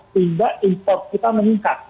sehingga import kita meningkat